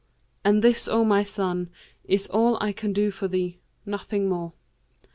And this, O my son, is all I can do for thee, nothing more.'